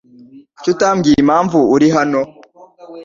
Kuki utambwiye impamvu uri hano?